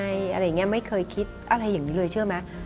อะไรอย่างนี้ไม่เคยคิดอะไรอย่างนี้เลยเชื่อไหม